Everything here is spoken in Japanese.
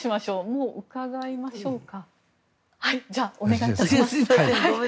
もう伺いましょうか。